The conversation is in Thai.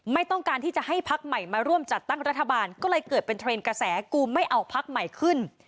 ไม่ต้องการที่จะให้พักใหม่มาร่วมจัดตั้งรัฐบาลก็เลยเกิดเป็นเทรนด์กระแสกูไม่เอาพักใหม่ขึ้น